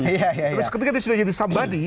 tapi ketika dia sudah jadi somebody